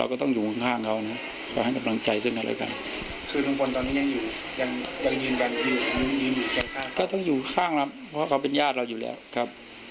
ก็ต้องอยู่ข้างครับเพราะเขาเป็นญาติเราอยู่แล้วครับ